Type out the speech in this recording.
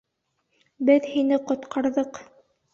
Беҙ һине ҡотҡарҙыҡ!